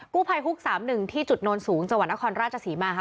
กู้ภัยฮุก๓๑ที่จุดโนนสูงจังหวัดนครราชศรีมาค่ะ